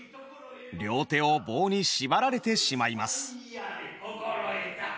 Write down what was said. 両手を棒にしばられてしまいます。